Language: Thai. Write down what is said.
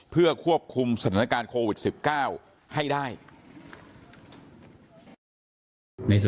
เพื่อควบคุมสถานการณ์โควิด๑๙ให้ได้